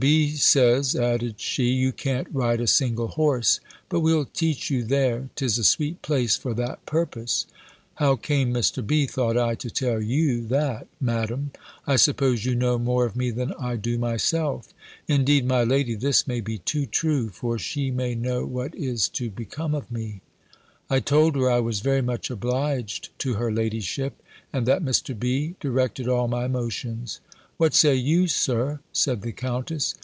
B. says," added she, "you can't ride a single horse; but we'll teach you there. 'Tis a sweet place for that purpose." "How came Mr. B.," thought I, "to tell you that, Madam? I suppose you know more of me than I do myself." Indeed, my lady, this may be too true; for she may know what is to become of me! I told her, I was very much obliged to her ladyship; and that Mr. B. directed all my motions. "What say you, Sir?" said the Countess.